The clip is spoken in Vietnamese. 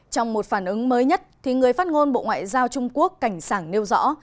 trong một phản ứng mới nhất người phát ngôn bộ ngoại giao trung quốc cảnh sảng nêu rõ